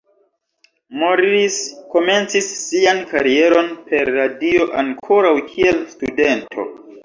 Morris komencis sian karieron per radio ankoraŭ kiel studento.